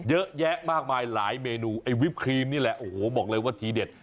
เยอะแยะมากมายหลายเมนูไอ้วิปครีมนี่แหละโอ้โหบอกเลยว่าทีเด็ด